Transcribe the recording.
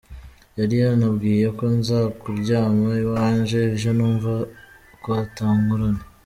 "Yari yanambwiye ko nza kuryama iwanje, ivyo numva ko ata ngorane.